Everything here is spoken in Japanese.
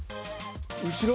後ろ？